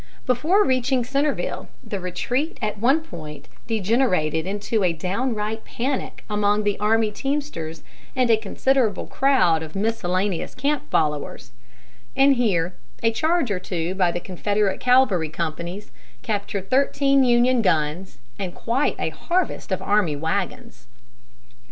Before reaching Centreville, the retreat at one point degenerated into a downright panic among army teamsters and a considerable crowd of miscellaneous camp followers; and here a charge or two by the Confederate cavalry companies captured thirteen Union guns and quite a harvest of army wagons.